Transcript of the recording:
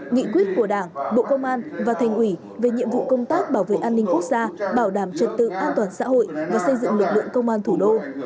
nghị quyết của đảng bộ công an và thành ủy về nhiệm vụ công tác bảo vệ an ninh quốc gia bảo đảm trật tự an toàn xã hội và xây dựng lực lượng công an thủ đô